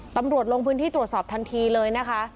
ตำรวจลงพื้นที่ตรวจสอบทันทีเลยนะคะ